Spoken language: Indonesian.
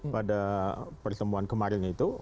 pada pertemuan kemarin itu